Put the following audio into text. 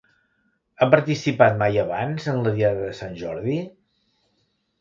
Ha participat mai abans en la diada de Sant Jordi?